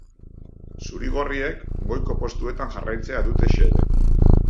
Zuri-gorriek goiko postuetan jarraitzea dute xede.